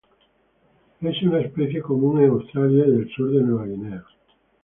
Es una especie común en Australia y el sur de Nueva Guinea.